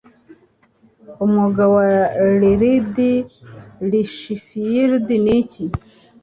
Umwuga wa Lird Lichfields Niki?